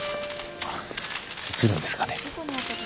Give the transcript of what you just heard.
あ映るんですかね。